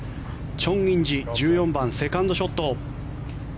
チョン・インジ１４番、セカンドショット。